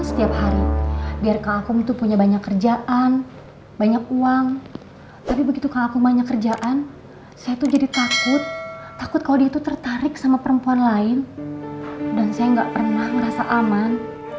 saya tuh jadi takut takut kalau dia tuh tertarik sama perempuan lain dan saya nggak pernah ngerasa aman